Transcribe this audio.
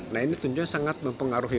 nah ini tentunya sangat mempengaruhi